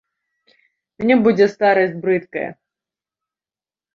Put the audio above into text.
Мне будзе старасць брыдкая!